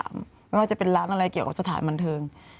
ไม่ว่าจะเป็นร้านอะไรเกี่ยวกับสถานบันเทิง